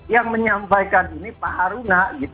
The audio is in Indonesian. yang menyampaikan ini pak haruna